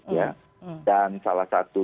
ya dan salah satu